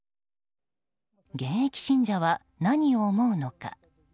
現役信者は何を思うのか。